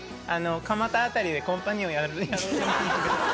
蒲田でコンパニオンやるの？